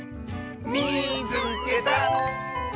「みいつけた！」。